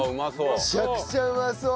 めちゃくちゃうまそう！